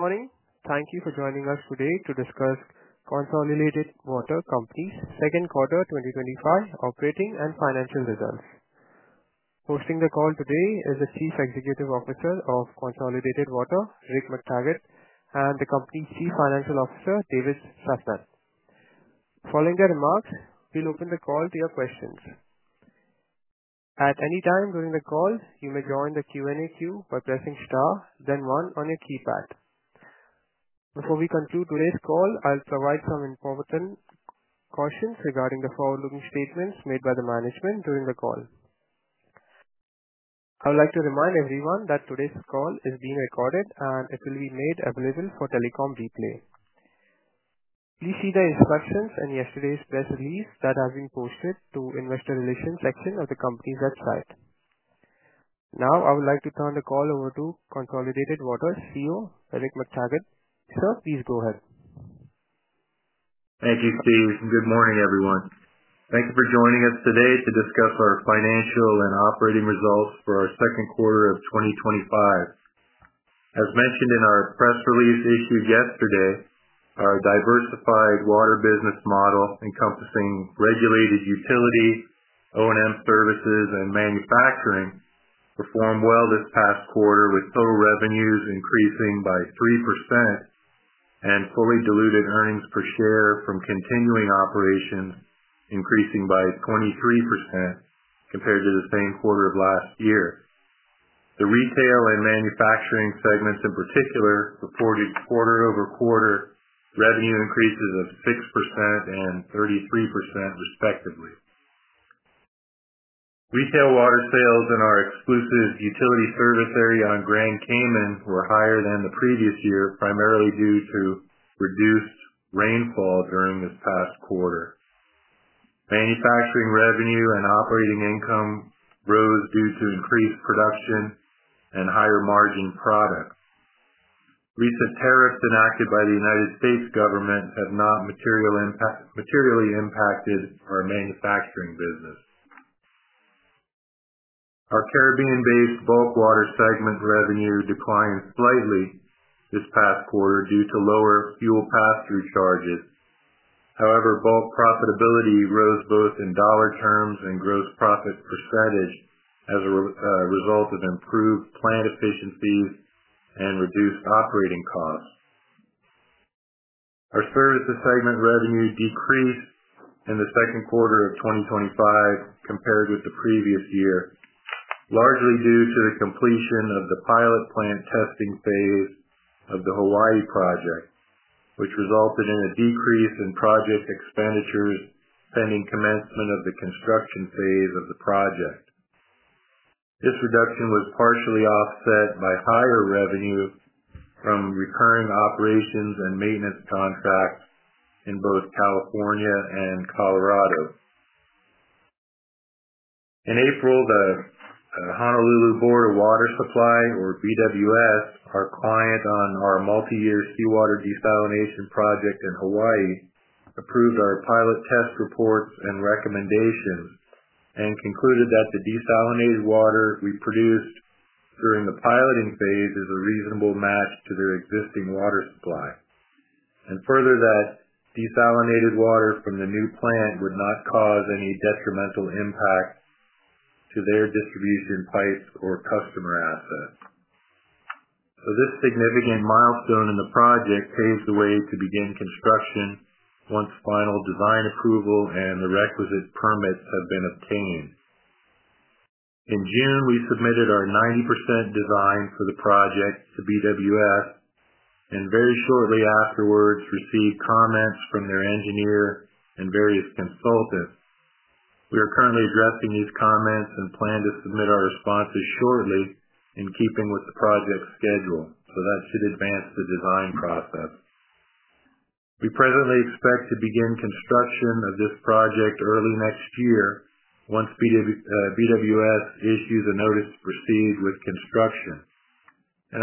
Good morning. Thank you for joining us today to discuss Consolidated Water Co.'s Second Quarter 2025 Operating and Financial Results. Hosting the call today is the Chief Executive Officer of Consolidated Water, Rick McTaggart, and the Company's Chief Financial Officer, David Sasnett. Following their remarks, we'll open the call to your questions. At any time during the call, you may join the Q&A queue by pressing star, then one on your keypad. Before we conclude today's call, I'll provide some important cautions regarding the forward-looking statements made by the management during the call. I would like to remind everyone that today's call is being recorded and it will be made available for telecom replay. Please see the instructions in yesterday's press release that has been posted to the Investor Relations section of the Company's website. Now, I would like to turn the call over to Consolidated Water CEO, Rick McTaggart. Sir, please go ahead. Thank you, Steve, and good morning, everyone. Thank you for joining us today to discuss our financial and operating results for our second quarter of 2025. As mentioned in our press release issued yesterday, our diversified water business model encompassing regulated utility, O&M services, and manufacturing performed well this past quarter, with total revenues increasing by 3% and fully diluted earnings per share from continuing operations increasing by 23% compared to the same quarter of last year. The retail and manufacturing segments, in particular, reported quarter-over-quarter revenue increases of 6% and 33%, respectively. Retail water sales in our exclusive utility service area on Grand Cayman were higher than the previous year, primarily due to reduced rainfall during this past quarter. Manufacturing revenue and operating income rose due to increased production and higher margin products. Recent tariffs enacted by the United States government have not materially impacted our manufacturing business. Our Caribbean-based bulk water segment revenue declined slightly this past quarter due to lower fuel pass-through charges. However, bulk profitability rose both in dollar terms and gross profits percentage as a result of improved plant efficiencies and reduced operating costs. Our services segment revenue decreased in the second quarter of 2025 compared with the previous year, largely due to the completion of the pilot plant testing phase of the Hawaii project, which resulted in a decrease in project expenditures pending commencement of the construction phase of the project. This reduction was partially offset by higher revenues from recurring operations and maintenance contracts in both California and Colorado. In April, the Honolulu Board of Water Supply, or BWS, our client on our multi-year seawater desalination project in Hawaii, approved our pilot test reports and recommendations and concluded that the desalinated water we produced during the piloting phase is a reasonable match to their existing water supply and further that desalinated water from the new plant would not cause any detrimental impact to their distribution price or customer assets. This significant milestone in the project paved the way to begin construction once final design approval and the requisite permits have been obtained. In June, we submitted our 90% design for the project to BWS and very shortly afterwards received comments from their engineer and various consultants. We are currently addressing these comments and plan to submit our responses shortly in keeping with the project schedule, so that should advance the design process. We presently expect to begin construction of this project early next year once the BWSter Supply issues a notice to proceed with construction.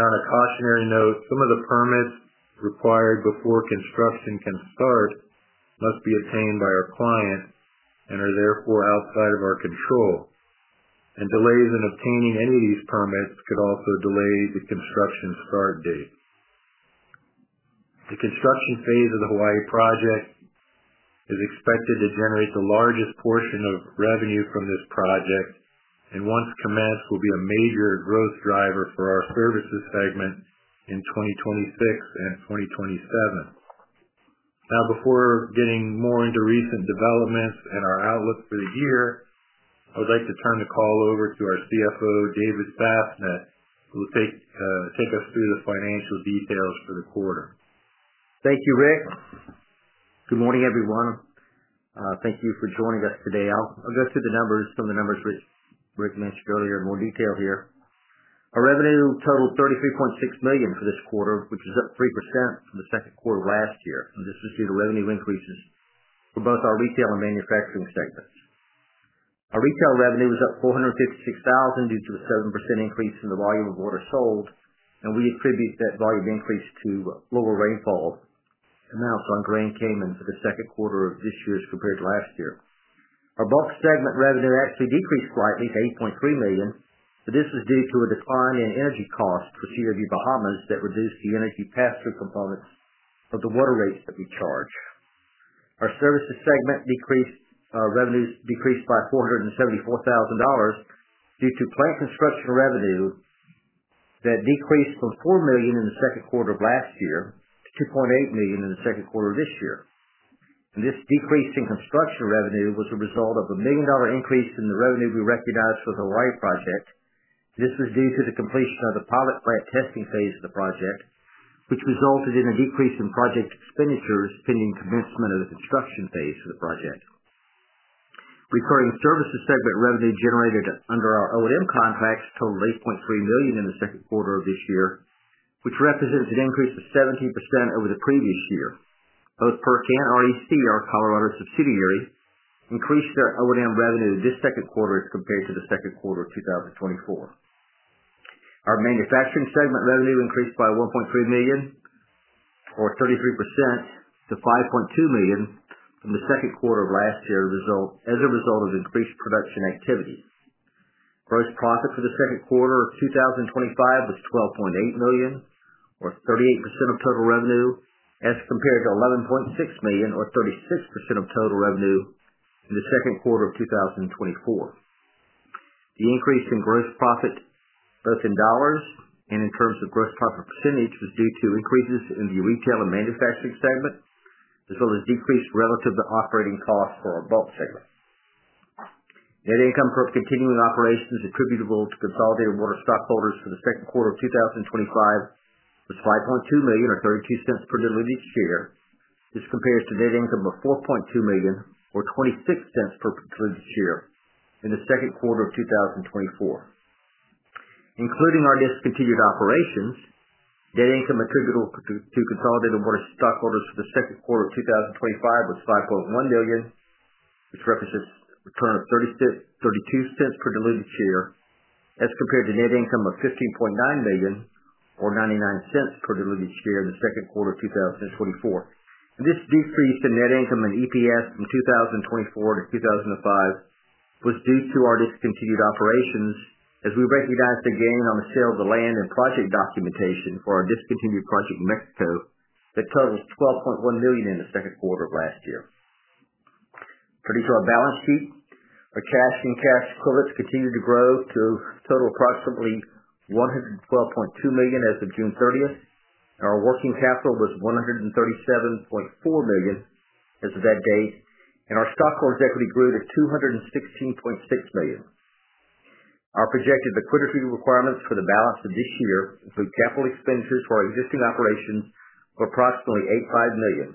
On a cautionary note, some of the permits required before construction can start must be attained by our client and are therefore outside of our control, and delays in obtaining any of these permits could also delay the construction start date. The construction phase of the Hawaii project is expected to generate the largest portion of revenue from this project, and once commenced, will be a major growth driver for our services segment in 2026 and 2027. Now, before getting more into recent developments and our outlooks for the year, I would like to turn the call over to our CFO, David Sasnett, who will take us through the financial details for the quarter. Thank you, Rick. Good morning, everyone. Thank you for joining us today. I'll go through the numbers, some of the numbers Rick mentioned earlier in more detail here. Our revenue totaled $33.6 million for this quarter, which is up 3% from the second quarter last year. This is due to revenue increases for both our retail and manufacturing segments. Our retail revenue was up $456,000, due to a 7% increase in the volume of water sold, and we attribute that volume increase to lower rainfall amounts on Grand Cayman for the second quarter of this year as compared to last year. Our bulk segment revenue actually decreased slightly to $8.3 million, but this is due to a decline in energy costs here in the Bahamas that reduced the energy pass-through components of the water rate that we charge. Our services segment revenues decreased by $474,000 due to plant construction revenue that decreased from $4 million in the second quarter of last year to $2.8 million in the second quarter of this year. This decrease in construction revenue was a result of a million-dollar increase in the revenue we recognized for the Hawaii project. This was due to the completion of the pilot plant testing phase of the project, which resulted in a decrease in project expenditures pending commencement of the construction phase of the project. Recurring services segment revenue generated under our O&M contracts totaled $8.3 million in the second quarter of this year, which represents an increase of 17% over the previous year. Both PERC and REC, our Colorado subsidiaries, increased their O&M revenue this second quarter as compared to the second quarter of 2024. Our manufacturing segment revenue increased by $1.3 million, or 33%, to $5.2 million from the second quarter of last year as a result of increased production activities. Gross profit for the second quarter of 2025 was $12.8 million, or 38% of total revenue, as compared to $11.6 million, or 36% of total revenue in the second quarter of 2024. The increase in gross profit, both in dollars and in terms of gross profit percentage, was due to increases in the retail and manufacturing segments, as well as decreased relative to operating costs for our bulk segment. Net income from continuing operations attributable to Consolidated Water stockholders for the second quarter of 2025 was $5.2 million or $0.32 per share. This compares to net income of $4.2 million or $0.26 per share this year in the second quarter of 2024. Including our discontinued operations, net income attributable to Consolidated Water stockholders for the second quarter of 2025 was $5.1 million, which represents a return of $0.32 per share this year, as compared to net income of $15.9 million or $0.99 per share this year in the second quarter of 2024. This decrease in net income and EPS in 2024 to 2025 was due to our discontinued operations, as we recognized the gain on the sale of the land and project documentation for our discontinued project in Mexico that totaled $12.1 million in the second quarter of last year. Turning to our balance sheet, our cash and cash equivalents continued to grow to a total of approximately $112.2 million as of June 30, and our working capital was $137.4 million as of that date, and our stockholders' equity grew to $216.6 million. Our projected liquidity requirements for the balance of this year include capital expenditures for our existing operations of approximately $8.5 million.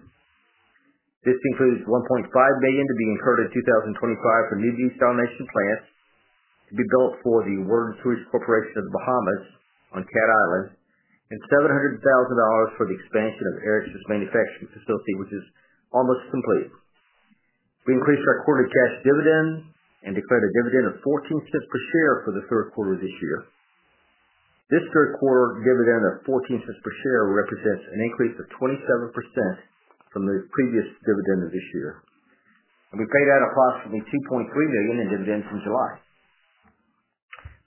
This includes $1.5 million to be incurred in 2025 for new desalination plants to be built for the Water and Sewerage Corporation of the Bahamas on Cat Island and $700,000 for the expansion of ERIC's manufacturing facility, which is almost complete. We increased our quarterly cash dividend and declared a dividend of $0.14 per share for the third quarter of this year. This third quarter dividend of $0.14 per share represents an increase of 27% from the previous dividend of this year. We paid out approximately $2.3 million in dividends in July.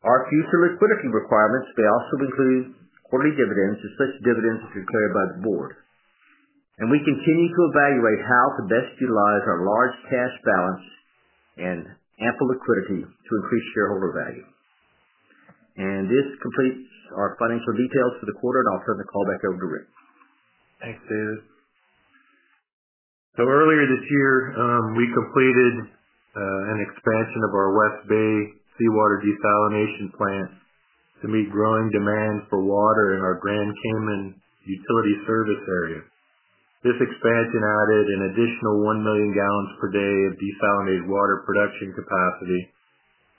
Our future liquidity requirements may also include quarterly dividends if such dividends are declared by the board. We continue to evaluate how to best utilize our large cash balance and ample liquidity to increase shareholder value. This completes our financial details for the quarter, and I'll turn the call back over to Rick. Thanks, Steve. Earlier this year, we completed an expansion of our West Bay seawater desalination plants to meet growing demand for water in our Grand Cayman Utility Service area. This expansion added an additional 1 MGD of desalinated water production capacity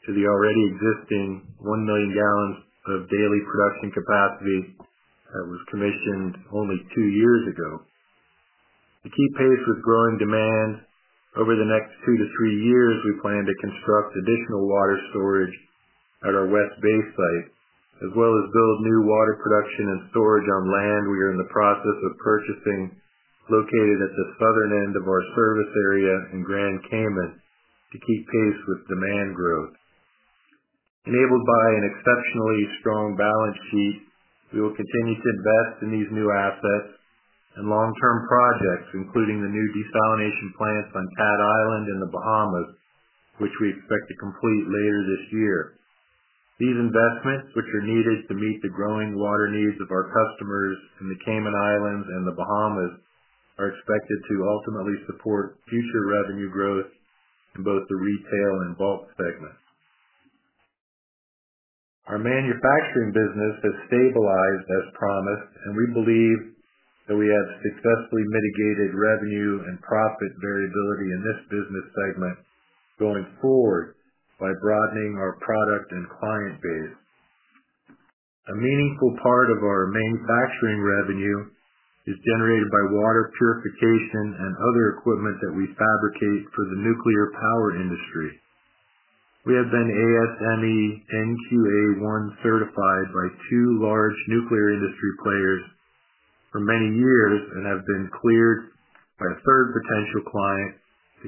to the already existing 1 MGD production capacity that was commissioned only two years ago. To keep pace with growing demand over the next two to three years, we plan to construct additional water storage at our West Bay site, as well as build new water production and storage on land we are in the process of purchasing located at the southern end of our service area in Grand Cayman to keep pace with demand growth. Enabled by an exceptionally strong balance sheet, we will continue to invest in these new assets and long-term projects, including the new desalination plants on Cat Island in the Bahamas, which we expect to complete later this year. These investments, which are needed to meet the growing water needs of our customers in the Cayman Islands and the Bahamas, are expected to ultimately support future revenue growth in both the retail and bulk segments. Our manufacturing business has stabilized as promised, and we believe that we have successfully mitigated revenue and profit variability in this business segment going forward by broadening our product and client base. A meaningful part of our manufacturing revenue is generated by water purification and other equipment that we fabricate for the nuclear power industry. We have been ASME NQA-1 certified by two large nuclear industry players for many years and have been cleared by a third potential client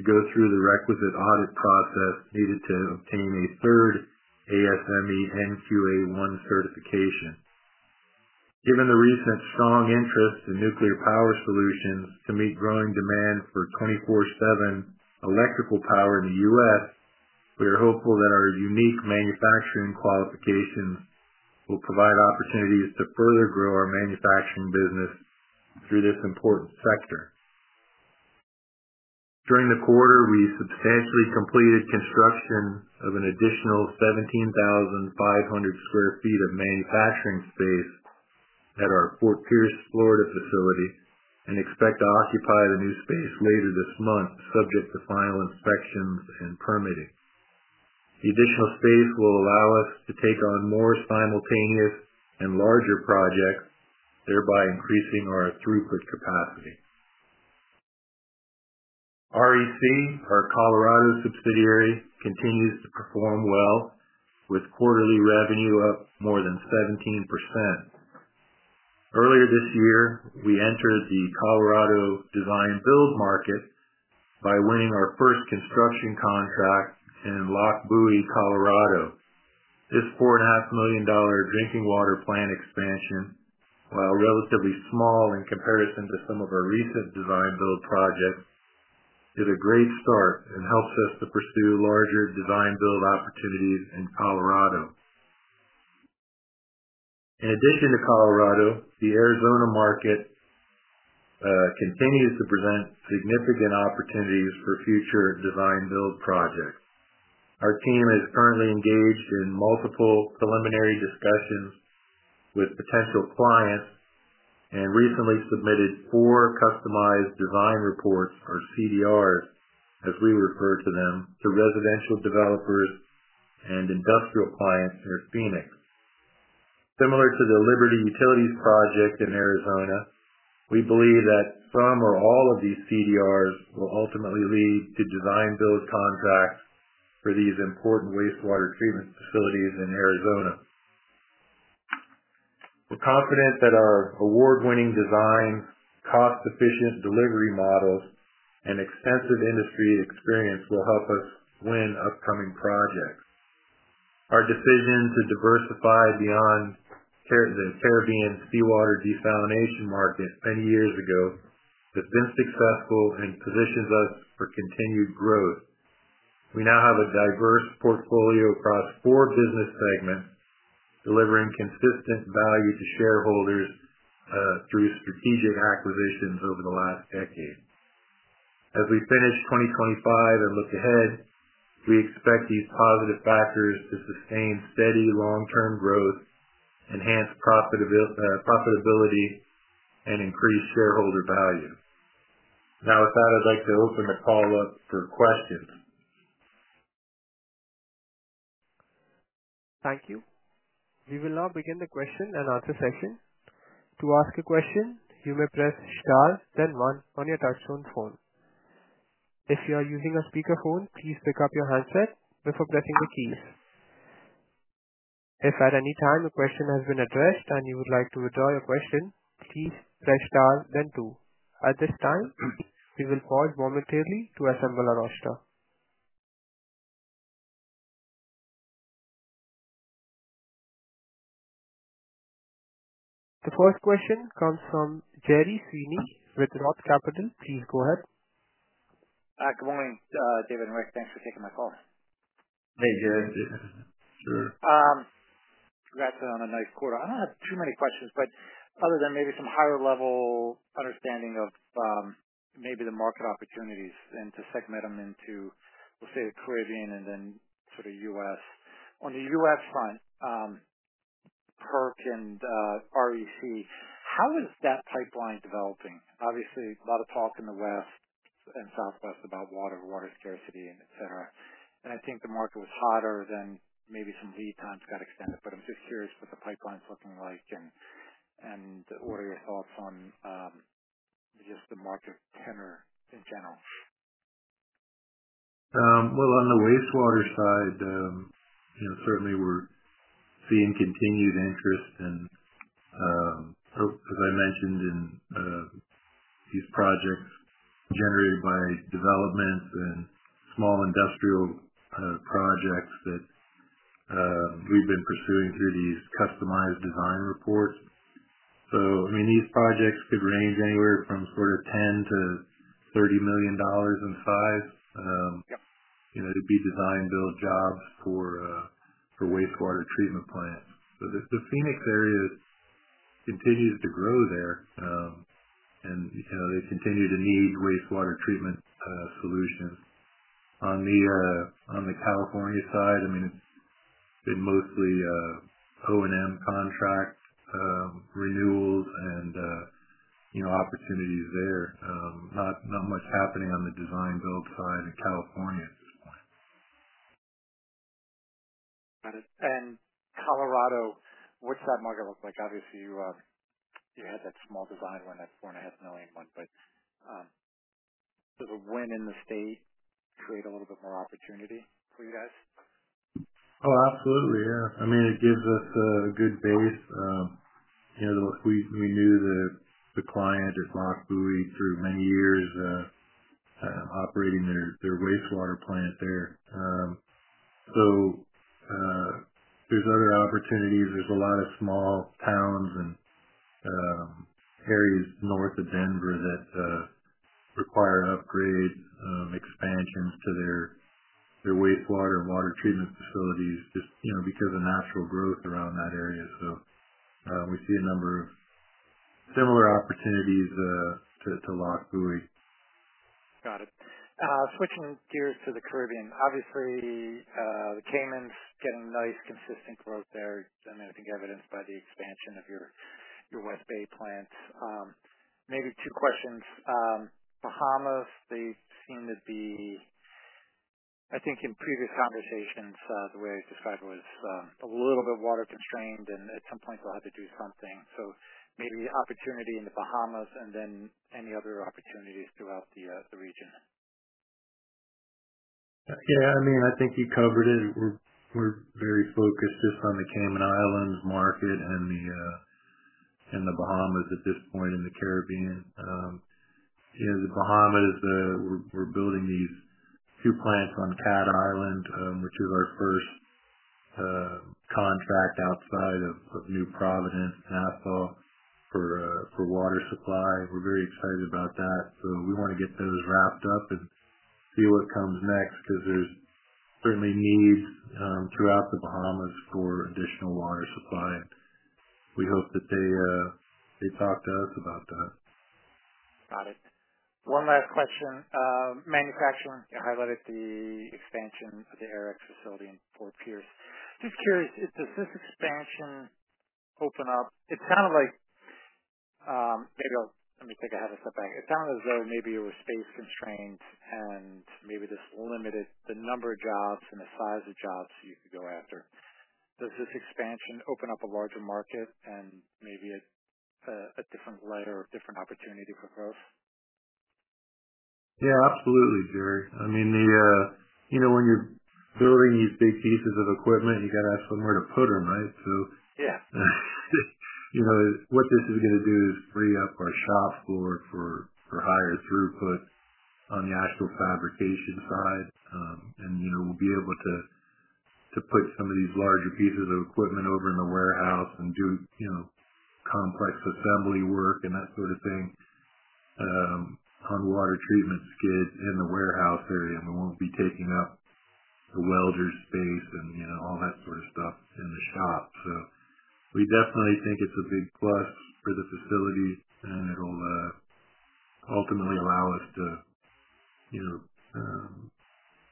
to go through the requisite audit process needed to obtain a third ASME NQA-1 certification. Given the recent strong interest in nuclear power solutions to meet growing demand for 24/7 electrical power in the U.S., we are hopeful that our unique manufacturing qualifications will provide opportunities to further grow our manufacturing business through this important sector. During the quarter, we substantially completed construction of an additional 17,500 sq ft of manufacturing space at our Fort Pierce, Florida facility and expect to occupy the new space later this month, subject to final inspections and permitting. The additional space will allow us to take on more simultaneous and larger projects, thereby increasing our throughput capacity. REC, our Colorado subsidiary, continues to perform well with quarterly revenue up more than 17%. Earlier this year, we entered the Colorado design-build market by winning our first construction contract in Lochbuie, Colorado. This $4.5 million drinking water plant expansion, while relatively small in comparison to some of our recent design-build projects, is a great start and helps us to pursue larger design-build opportunities in Colorado. In addition to Colorado, the Arizona market continues to present significant opportunities for future design-build projects. Our team is currently engaged in multiple preliminary discussions with potential clients and recently submitted four customized design reports, or CDRs, as we refer to them, to residential developers and industrial clients in Phoenix. Similar to the Liberty Utilities project in Arizona, we believe that some or all of these CDRs will ultimately lead to design-build contracts for these important wastewater treatment facilities in Arizona. We're confident that our award-winning designs, cost-efficient delivery models, and extensive industry experience will help us win upcoming projects. Our decision to diversify beyond the Caribbean seawater desalination market many years ago has been successful and positions us for continued growth. We now have a diverse portfolio across four business segments, delivering consistent value to shareholders through strategic acquisitions over the last decade. As we finish 2025 and look ahead, we expect these positive factors to sustain steady long-term growth, enhance profitability, and increase shareholder value. Now, with that, I'd like to open the call up for questions. Thank you. We will now begin the question and answer session. To ask a question, you may press star then one on your touch-tone phone. If you are using a speakerphone, please pick up your handset before pressing the keys. If at any time a question has been addressed and you would like to withdraw your question, please press star then two. At this time, we will call voluntarily to assemble our roster. The first question comes from Gerry Sweeney with ROTH Capital Partners. Please go ahead. Hi. Good morning, David and Rick. Thanks for taking my call. Hey, Jerry. You're actually on a nice quarter. I have too many questions, but other than maybe some higher-level understanding of, maybe the market opportunities and to segment them into, we'll say, the Caribbean and then sort of the U.S. On the U.S. front, PERC and REC, how is that pipeline developing? Obviously, a lot of talk in the West and Southwest about water, water scarcity, etc. I think the market was hotter than maybe some lead times got extended. I'm just curious what the pipeline is looking like and what are your thoughts on just the market's tenor in general? On the wastewater side, certainly, we're seeing continued interest and, as I mentioned, in these projects generated by developments and small industrial projects that we've been pursuing through these customized design reports. These projects could range anywhere from $10 million-$30 million in size to be design-build jobs for wastewater treatment plants. The Phoenix area continues to grow there, and they continue to need wastewater treatment solutions. On the California side, they're mostly O&M contract renewals and opportunities there. Not much happening on the design-build side in California. Got it. In Colorado, what's that market look like? Obviously, you had that small divide when that $4.5 million went, but does a win in the state create a little bit more opportunity for you guys? Oh, absolutely. Yeah. I mean, it gives us a good base. We knew that the client is Lochbuie through many years, operating their wastewater plant there. There are other opportunities. There are a lot of small towns and areas north of Denver that require upgrades, expansions to their wastewater and water treatment facilities just because of natural growth around that area. We see a number of similar opportunities to Lochbuie. Got it. Switching gears to the Caribbean, obviously, the Caymans getting nice consistent growth there, and I think evidenced by the expansion of your West Bay plants. Maybe two questions. Bahamas, they seem to be, I think in previous conversations, the way I described it was, a little bit water-constrained, and at some point, they'll have to do something. Maybe the opportunity in the Bahamas and then any other opportunities throughout the region. Yeah. I mean, I think you covered it. We're very focused just on the Cayman Islands market and the Bahamas at this point in the Caribbean. You know, the Bahamas, we're building these two plants on Cat Island, which is our first contract outside of New Providence, Nassau for water supply. We're very excited about that. We want to get those wrapped up and see what comes next because there's certainly needs throughout the Bahamas for additional water supply. We hope that they talk to us about those. Got it. One last question. Manufacturing highlighted the expansion of the Aerex facility in Fort Pierce. Just curious, does this expansion open up? It sounded as though maybe it was space-constrained and maybe this limited the number of jobs and the size of jobs that you could go after. Does this expansion open up a larger market and maybe a different glider, a different opportunity for growth? Yeah, absolutely, Gerry. When you're building these big pieces of equipment, you got to have somewhere to put them, right? What this is going to do is free up our shop floor for higher throughput on the actual fabrication side, and we'll be able to put some of these larger pieces of equipment over in the warehouse and do complex assembly work and that sort of thing on water treatment skids in the warehouse area. We won't be taking up the welder space and all that sort of stuff in the shop. We definitely think it's a big plus for the facility, and it'll ultimately allow us to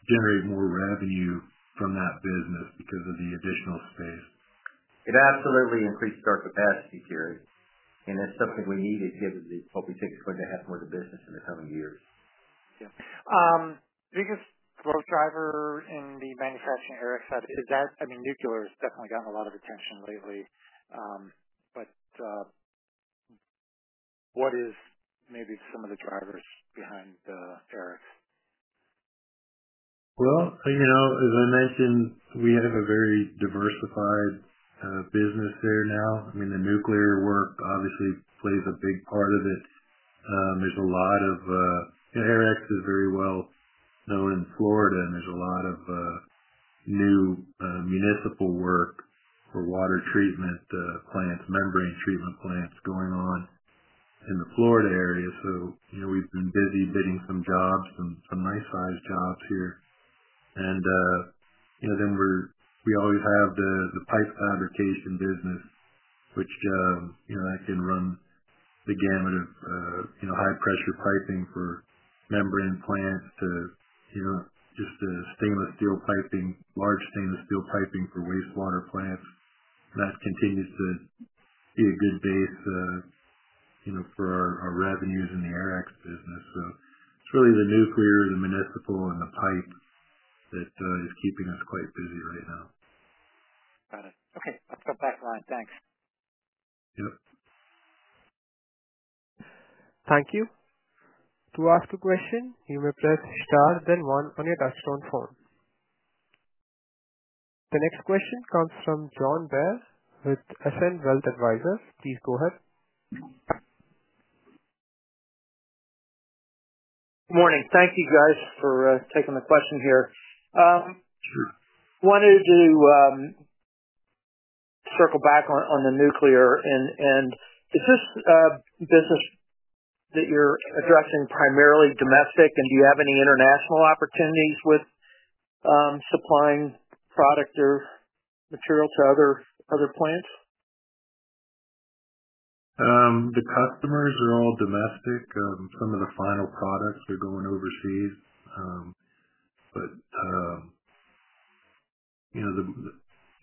generate more revenue from that business because of the additional space. It absolutely increased our capacity, Gerry. That's something we needed because we think it's going to have more of a business in the coming years. Yeah. Biggest growth driver in the manufacturing [Aerex] side, I mean, nuclear has definitely gotten a lot of attention lately. What is maybe some of the drivers behind [Aerex]? As I mentioned, we have a very diversified business there now. The nuclear work obviously plays a big part of it. Aerex is very well known in Florida, and there's a lot of new municipal work for water treatment plants, membrane treatment plants going on in the Florida area. We've been busy bidding some jobs, some nice-sized jobs here. We always have the pipe fabrication business, which can run the gamut of high-pressure piping for membrane plants to just the stainless steel piping, large stainless steel piping for wastewater plants. That continues to be a good base for our revenues in the Aerex business. It's really the nuclear, the municipal, and the pipe that is keeping us quite busy right now. Got it. Okay, let's go back to that. Thanks. Thank you. To ask a question, you may press star then one on your touch-tone phone. The next question comes from [John Bass] with Ascend Wealth Advisors. Please go ahead. Morning. Thank you guys for taking the question here. I wanted to circle back on the nuclear. Is this business that you're addressing primarily domestic, and do you have any international opportunities with supplying product or material to other plants? The customers are all domestic. Some of the final products, they're going overseas.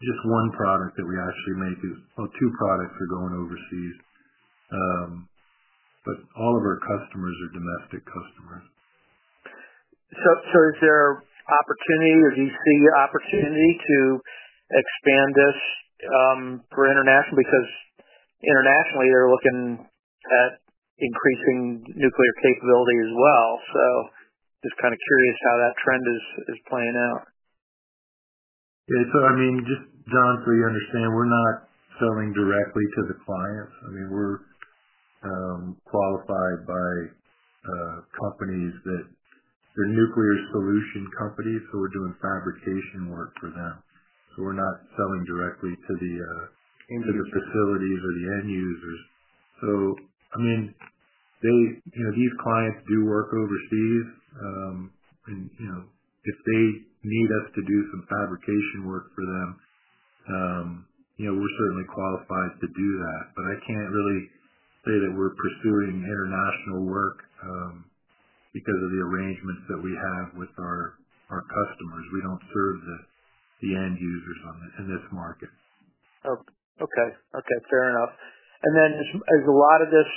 Just one product that we actually make is, oh, two products are going overseas. All of our customers are domestic customers. Do you see your opportunity to expand this for international? Because internationally, they're looking at increasing nuclear capability as well. Just kind of curious how that trend is playing out. Yeah. Just [John], so you understand, we're not selling directly to the clients. We're qualified by companies that are nuclear solution companies, so we're doing fabrication work for them. We're not selling directly to the facilities or the end users. These clients do work overseas, and if they need us to do some fabrication work for them, we're certainly qualified to do that. I can't really say that we're pursuing international work because of the arrangements that we have with our customers. We don't serve the end users in this market. Okay. Fair enough. Is a lot of this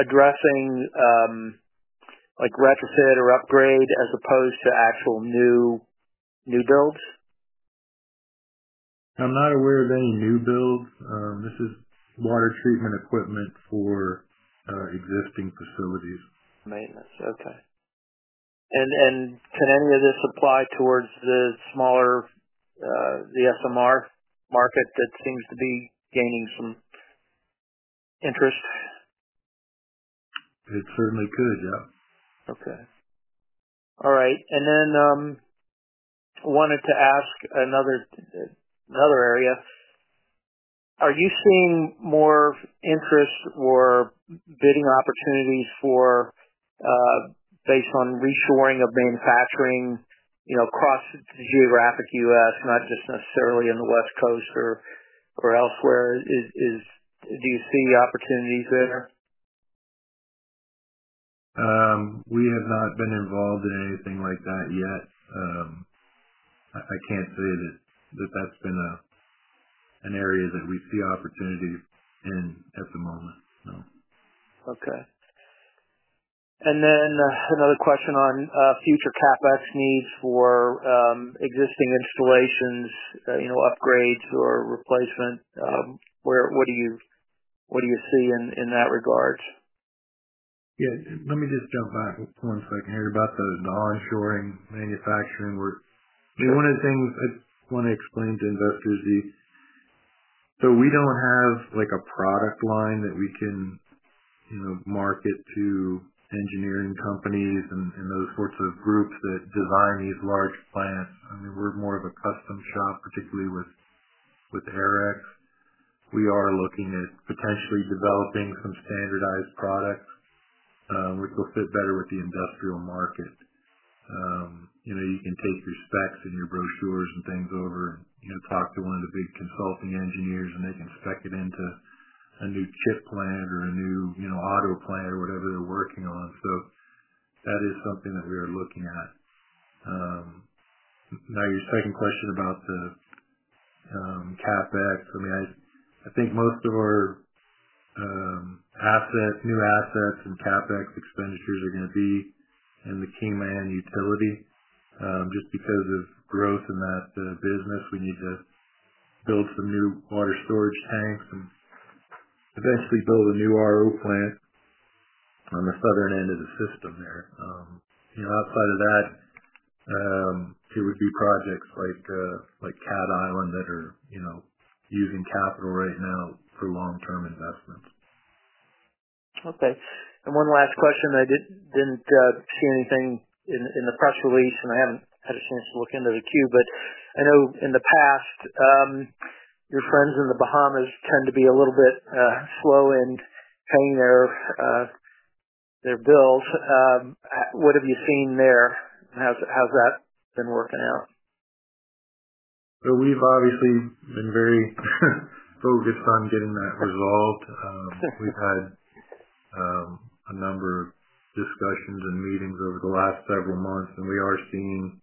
addressing, like retrofit or upgrade as opposed to actual new new builds? I'm not aware of any new builds. This is water treatment equipment for existing facilities. Maintenance. Okay. Can any of this apply towards the smaller, the FMR market that seems to be gaining some interest? It certainly could, yeah. All right. I wanted to ask another area. Are you seeing more interest or bidding opportunities for, based on reshoring of manufacturing, you know, across the geographic U.S., not just necessarily in the West Coast or elsewhere? Do you see opportunities there? We have not been involved in anything like that yet. I can't say that that's been an area that we see opportunities in at the moment, no. Okay. Another question on future CapEx needs for existing installations, upgrades or replacement. What do you see in that regard? Yeah. Let me just jump back one second here about the onshoring manufacturing work. One of the things I want to explain to investors, we don't have a product line that we can market to engineering companies and those sorts of groups that design these large plants. We're more of a custom shop, particularly with Aerex. We are looking at potentially developing some standardized products, which will fit better with the industrial market. You know, you can take your specs and your brochures and things over and talk to one of the big consulting engineers, and they can spec it into a new ship plant or a new auto plant or whatever they're working on. That is something that we are looking at. Now your second question about the CapEx. I think most of our new assets and CapEx expenditures are going to be in the Cayman Utility. Just because of growth in that business, we need to build some new water storage tanks and eventually build a new RO plant on the southern end of the system there. Outside of that, it would be projects like Cat Island that are using capital right now for long-term investments. Okay. One last question. I didn't see anything in the press release, and I haven't had a chance to look into the queue, but I know in the past, your friends in the Bahamas tend to be a little bit slow in paying their bills. What have you seen there? How's that been working out? We have obviously been very focused on getting that resolved. We have had a number of discussions and meetings over the last several months, and we are seeing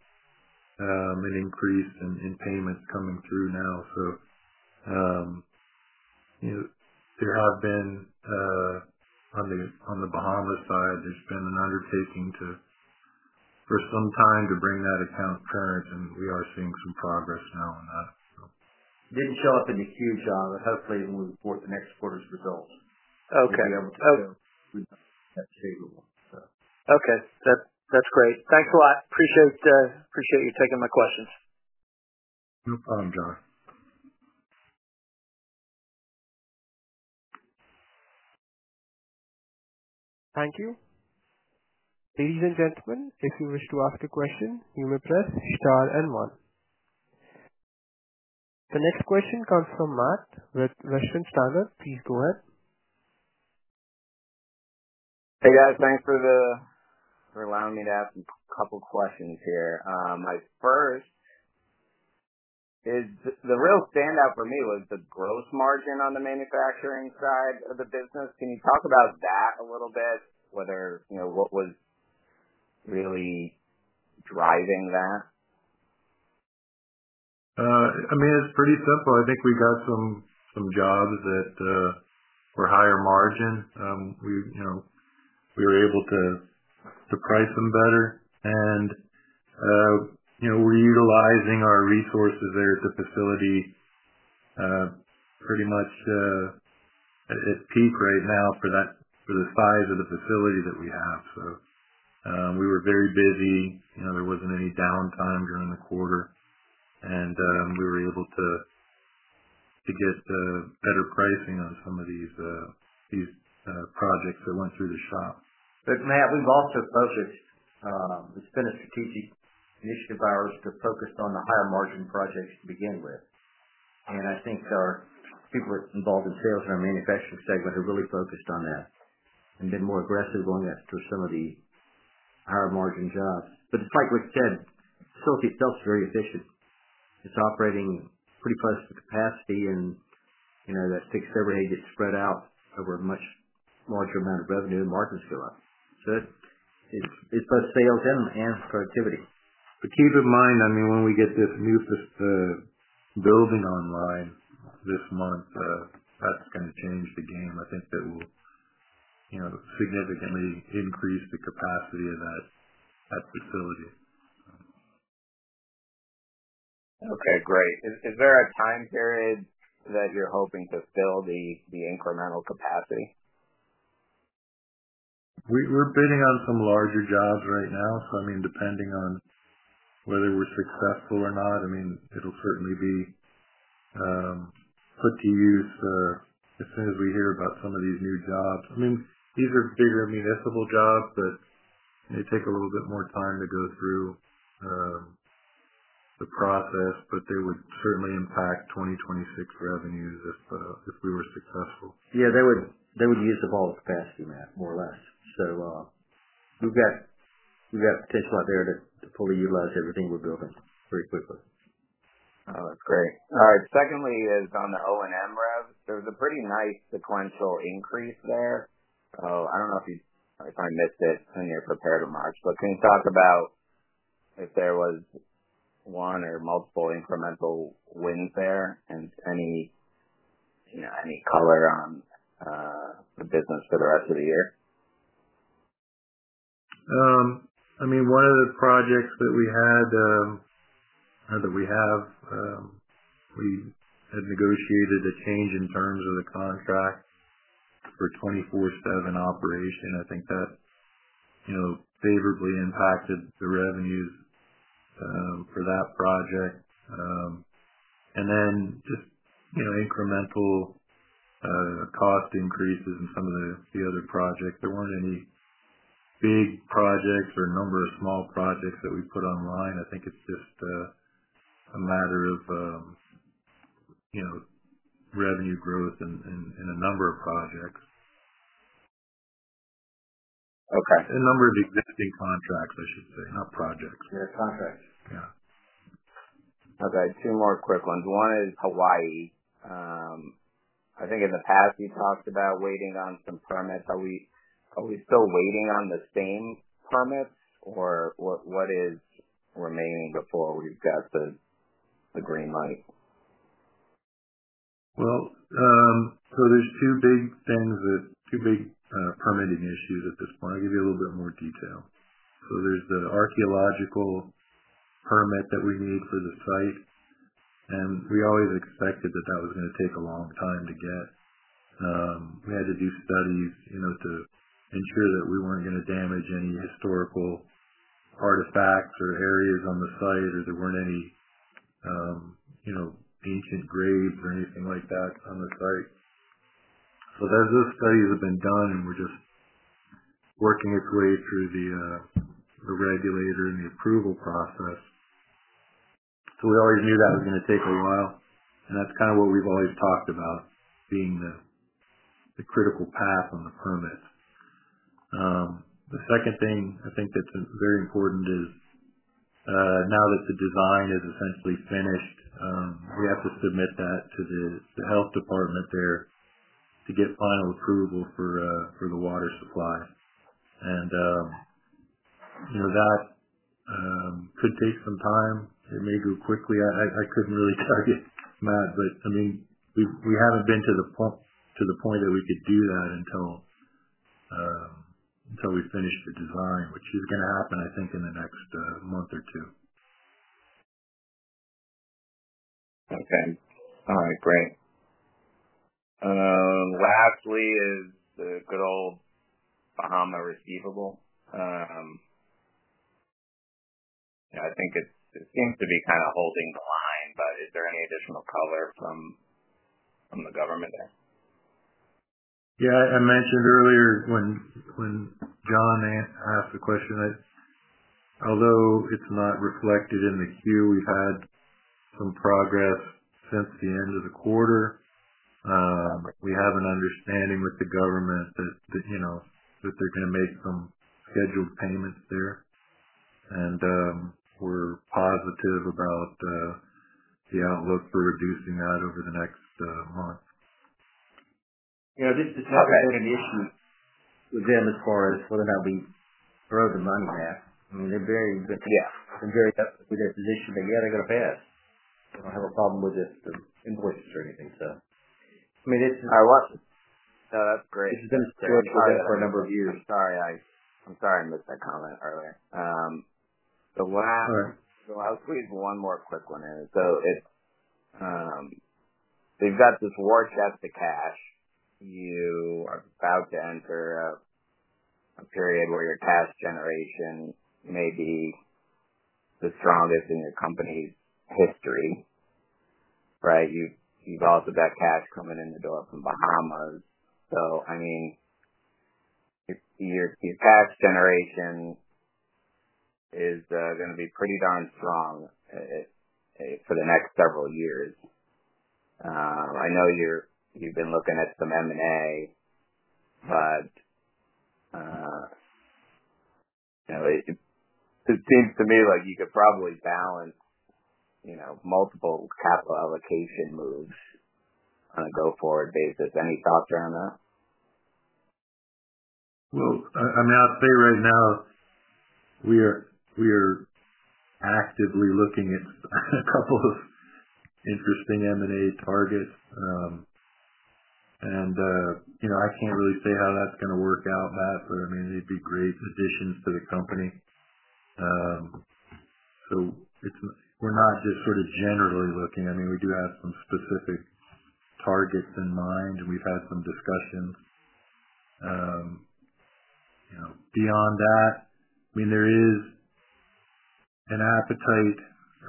an increase in payments coming through now. There have been, on the Bahamas side, an undertaking for some time to bring that account to parent, and we are seeing some progress now on that. Didn't show up in the queue, John, but hopefully it will report the next quarter's results. Okay. If we have a quick achievable. Okay, that's great. Thanks a lot. Appreciate you taking my questions. No problem, John. Thank you. Ladies and gentlemen, if you wish to ask a question, you may press star and one. The next question comes from Matt with Western Standard. Please go ahead. Hey, guys. Thanks for allowing me to ask a couple of questions here. My first is the real standout for me was the gross margin on the manufacturing side of the business. Can you talk about that a little bit? What was really driving that? I mean, it's pretty simple. I think we got some jobs that were higher margin. We were able to price them better, and we're utilizing our resources there at the facility pretty much at peak right now for the size of the facility that we have. We were very busy. There wasn't any downtime during the quarter, and we were able to get better pricing on some of these projects that went through the shop. Matt, we've also focused, it's been a strategic initiative by ours to focus on the higher margin projects to begin with. I think our people involved in sales in our manufacturing segment are really focused on that and been more aggressive on that to some of the higher margin jobs. The facility itself is very efficient. It's operating pretty close to capacity, and you know, that fixed overhead gets spread out over a much larger amount of revenue and margins go up. It's plus sales and productivity. Keep in mind, when we get this new building online this month, that's going to change the game. I think that will significantly increase the capacity of that facility. Okay. Great. Is there a time period that you're hoping to fill the incremental capacity? We're bidding on some larger jobs right now. Depending on whether we're successful or not, it'll certainly be put to use as soon as we hear about some of these new jobs. These are bigger municipal jobs, but they take a little bit more time to go through the process. They would certainly impact 2026 revenues if we were successful. Yeah, they would use up all the capacity, Matt, more or less. We've got stakeout there to fully utilize everything we're building pretty quickly. That's great. All right. Secondly, on the O&M revenue, there was a pretty nice sequential increase there. Can you talk about if there was one or multiple incremental wins there and any color on the business for the rest of the year? One of the projects that we had, we had negotiated a change in terms of the contract for 24/7 operation. I think that favorably impacted the revenues for that project. Then just incremental cost increases in some of the other projects. There weren't any big projects or a number of small projects that we put online. I think it's just a matter of revenue growth in a number of projects. Okay. A number of existing contracts, I should say, not projects. Yeah, contracts. Yeah. Okay. Two more quick ones. One is Hawaii. I think in the past, you talked about waiting on some permits. Are we still waiting on the same permits or what is remaining before we've got the green light? There are two big things, two big permitting issues at this point. I'll give you a little bit more detail. There's the archaeological permit that we need for the site, and we always expected that was going to take a long time to get. We had to do studies to ensure that we weren't going to damage any historical artifacts or areas on the site, or there weren't any ancient grave or anything like that on the site. Those studies have been done, and we're just working our way through the regulator and the approval process. We always knew that was going to take a while, and that's kind of what we've always talked about being the critical path on the permits. The second thing I think that's very important is, now that the design is essentially finished, we have to submit that to the health department there to get final approval for the water supply. That could take some time. It may go quickly. I couldn't really tell you, Matt, but we haven't been to the point that we could do that until we finish the design, which is going to happen, I think, in the next month or two. Okay. All right. Great. Lastly is the good old Bahamas receivable. I think it seems to be kind of holding the line, but is there any additional color from the government there? Yeah. I mentioned earlier when John asked the question, that although it's not reflected in the queue, we've had some progress since the end of the quarter. We have an understanding with the government that they're going to make some scheduled payments there. We're positive about the outlook for reducing that over the next month. Yeah, it's not going to be an issue with them as far as whether or not we throw them under that. I mean, they're very good to use. They're very tight with their position. They're going to pay us. They don't have a problem with us to influence us or anything. I mean, it's not a loss. No, that's great. It's been a steady climb for a number of years. Sorry I missed that comment earlier. The last week, one more quick one is, if they've got this warranted up to cash, you are about to enter a period where your cash generation may be the strongest in your company's history, right? You've all got the best cash coming in the door from Bahamas. Your cash generation is going to be pretty darn strong for the next several years. I know you've been looking at some M&A, but it seems to me like you could probably balance multiple capital allocation moves on a go-forward basis. Any thoughts around that? Out there right now, we are actively looking at a couple of interesting M&A targets. I can't really say how that's going to work out, Matt, but it'd be great positions for the company. We're not just generally looking. We do have some specific targets in mind, and we've had some discussion. Beyond that, there is an appetite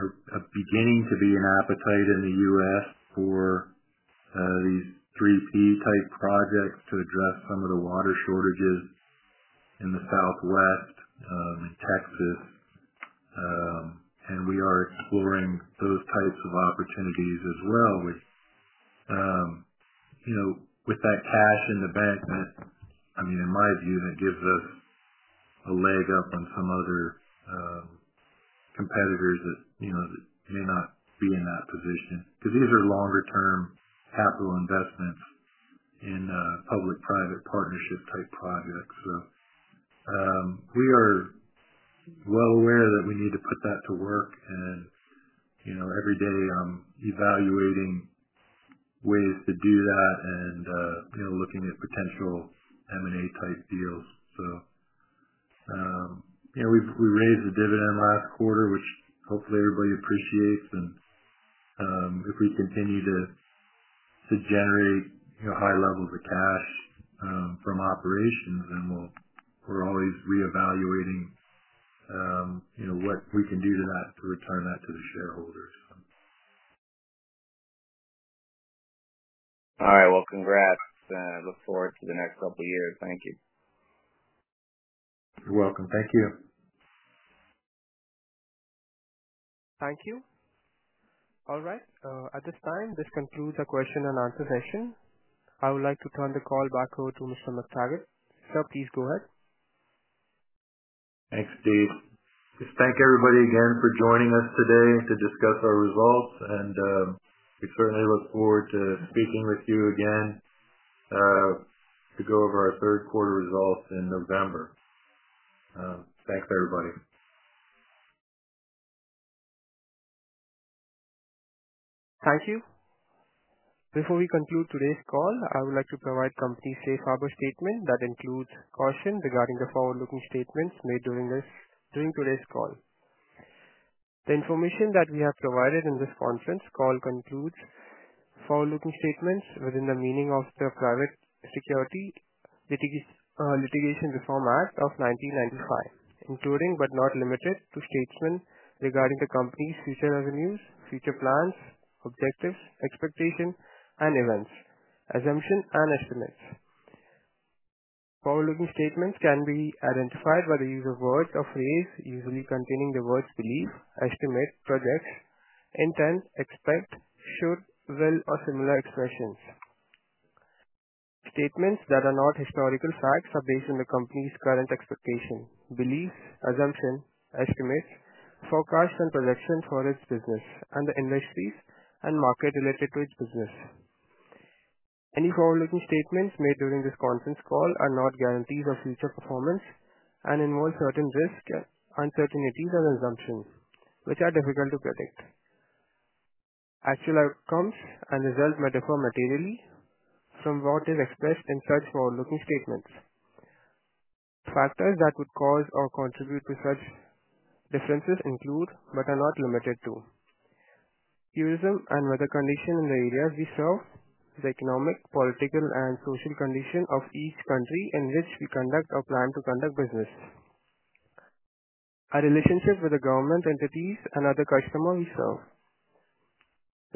or a beginning to be an appetite in the U.S. for these 3P type projects to address some of the water shortages in the Southwest, in Texas. We are exploring those types of opportunities as well. With that cash in the bank, in my view, that gives us a leg up on some other competitors that are not seeing that position because these are longer-term capital investments in public-private partnership type projects. We are well aware that we need to put that to work, and every day I'm evaluating ways to do that and looking at potential M&A type deals. We raised the dividend last quarter, which hopefully everybody appreciates. If we continue to generate high levels of cash from operations, then we're always reevaluating what we can do to return that to the shareholders. All right. Congratulations. I look forward to the next couple of years. Thank you. You're welcome. Thank you. Thank you. All right. At this time, this concludes our question and answer session. I would like to turn the call back over to Mr. McTaggart. Sir, please go ahead. Thanks, Steve. Just thank everybody again for joining us today to discuss our results. I certainly look forward to speaking with you again to go over our third quarter results in November. Thanks everybody. Thank you. Before we conclude today's call, I would like to provide a complete safe harbor statement that includes caution regarding the forward-looking statements made during today's call. The information that we have provided in this conference call includes forward-looking statements within the meaning of the Private Securities Litigation Reform Act of 1995, including but not limited to statements regarding the company's future revenues, future plans, objectives, expectations, and events, assumptions, and estimates. Forward-looking statements can be identified by the use of words or phrases usually containing the words believe, estimate, project, intend, expect, should, will, or similar expressions. Statements that are not historical facts are based on the company's current expectations, beliefs, assumptions, estimates, forecasts, and projections for its business and the industries and markets related to its business. Any forward-looking statements made during this conference call are not guarantees of future performance and involve certain risks, uncertainties, and assumptions which are difficult to predict. Actual outcomes and results may differ materially from what is expressed in such forward-looking statements. Factors that would cause or contribute to such differences include but are not limited to: tourism and weather conditions in the areas we serve, the economic, political, and social conditions of each country in which we conduct or plan to conduct business, our relationships with the government entities and other customers we serve,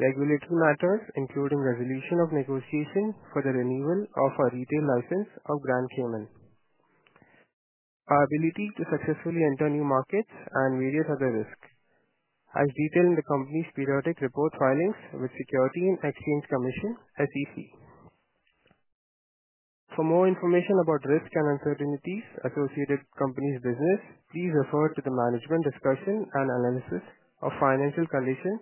regulatory matters, including resolution of negotiations for the renewal of our retail license for Grand Cayman, our ability to successfully enter new markets, and various other risks, as detailed in the company's periodic report filings with the Securities and Exchange Commission, SEC. For more information about risks and uncertainties associated with the company's business, please refer to the management discussion and analysis of financial condition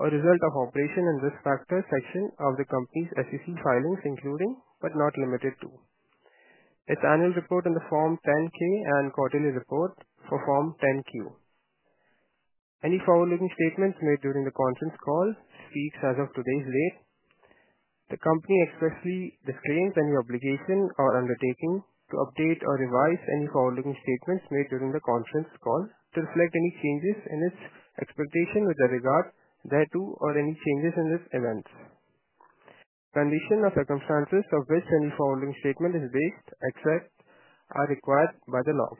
or results of operations and risk factors section of the company's SEC filings, including but not limited to its annual report under Form 10-K and quarterly report under Form 10-Q. Any forward-looking statements made during the conference call speak as of today's date. The company expressly disclaims any obligation or undertaking to update or revise any forward-looking statements made during the conference call to reflect any changes in its expectations with regard to or any changes in the events, conditions, or circumstances on which any forward-looking statement is based except as expressly required by law.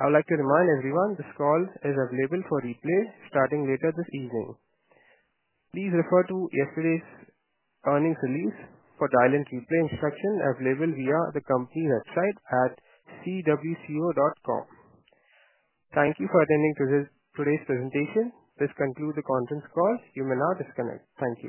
I would like to remind everyone this call is available for replay starting later this evening. Please refer to yesterday's earnings release for dial-in replay instructions available via the company website at cwco.com. Thank you for attending today's presentation. This concludes the conference call. You may now disconnect. Thank you.